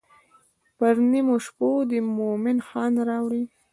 پر نیمو شپو دې مومن خان راوی.